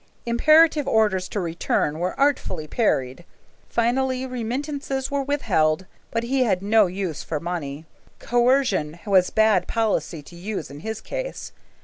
Imperative orders to return were artfully parried. Finally remittances were withheld, but he had no use for money. Coercion was bad policy to use in his case.